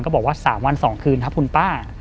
บอกว่า๓วัน๒คืนครับคุณป้า